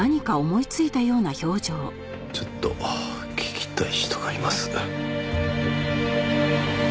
ちょっと聞きたい人がいます。